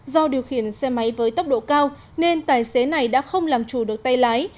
do điều khiển xe máy với tốc độ cao nên tài xế này đã không làm chủ được tay lái